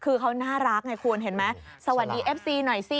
คือเขาน่ารักไงคุณเห็นไหมสวัสดีเอฟซีหน่อยสิ